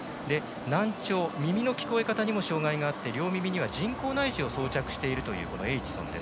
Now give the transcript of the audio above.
難聴、耳の聞こえ方にも障がいがあって人工内耳を装着しているというエイチソン。